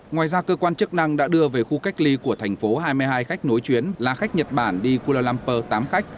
ngoài ra cơ quan chức năng đã đưa về khu cách ly của thành phố hai mươi hai khách nối chuyến là khách nhật bản đi kuala lumpur tám khách